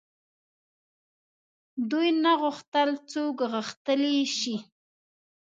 دوی نه غوښتل څوک غښتلي شي.